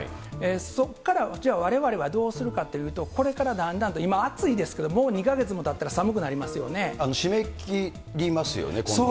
そこから、じゃあ、われわれはどうするかっていうと、これからだんだんと、今、暑いですけどもう２か月もたったら寒くなりますよ閉め切りますよね、今度は。